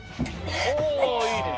おおいいね！